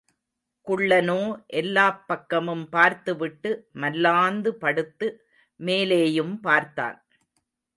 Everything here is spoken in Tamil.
குள்ளனோ எல்லாப் பக்கமும் பார்த்துவிட்டு மல்லாந்து படுத்து மேலேயும் பார்த்தான்.